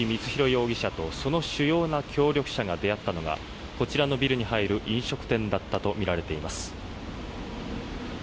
容疑者とその主要な協力者が出会ったのがこちらのビルに入る飲食店だったとみられています。